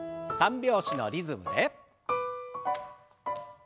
３拍子のリズムで。